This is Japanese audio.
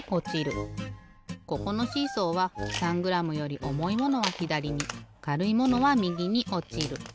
ここのシーソーは３グラムより重いものはひだりにかるいものはみぎにおちる。